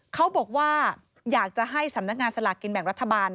เขาบอกว่าอยากจะให้สำนักงานสลากกินแบ่งรัฐบาล